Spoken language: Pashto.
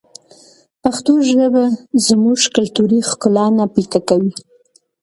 پښتو ژبه زموږ کلتوري ښکلا نه پیکه کوي.